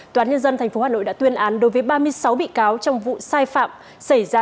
tòa án nhân dân tp hà nội đã tuyên án đối với ba mươi sáu bị cáo trong vụ sai phạm xảy ra